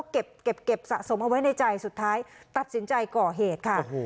เก็บสะสมเอาไว้ในใจสุดท้ายตัดสินใจก่อเหตุค่ะ